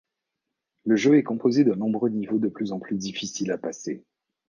Le jeu est composé de nombreux niveaux de plus en plus difficiles à passer.